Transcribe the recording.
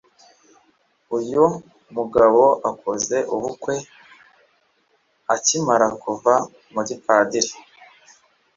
uyu mugabo akoze ubukwe akimara kuva mu gipadiri